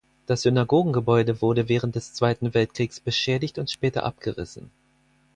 Das Synagogengebäude wurde während des Zweiten Weltkriegs beschädigt und später abgerissen.